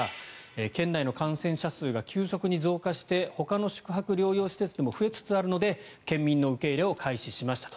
県内の感染者数が急速に増加してほかの宿泊療養施設でも増えつつあるので県民の受け入れを開始しましたと。